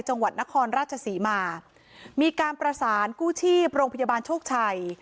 จังหวัดนครราชศรีมามีการประสานกู้ชีพโรงพยาบาลโชคชัย